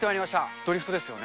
ドリフトですよね。